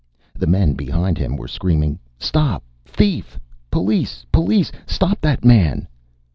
The men behind him were screaming, "Stop, thief! Police! Police! Stop that man!"